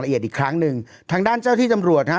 อีกครั้งหนึ่งทางด้านเจ้าที่ตำรวจฮะ